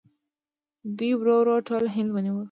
دوی ورو ورو ټول هند ونیو.